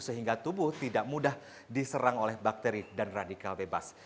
sehingga tubuh tidak mudah diserang oleh bakteri dan radikal bebas